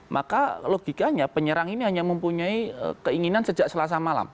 maka logikanya penyerang ini hanya mempunyai keinginan sejak selasa malam